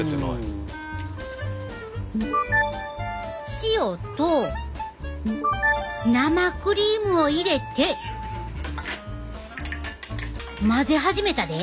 塩と生クリームを入れて混ぜ始めたで！